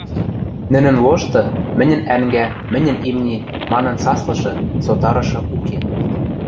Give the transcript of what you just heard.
нӹнӹн лошты, «мӹньӹн ӓнгӓ», «мӹньӹн имни» манын саслышы, сотарышы уке.